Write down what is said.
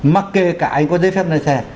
mặc kệ cả anh có giấy phép lái xe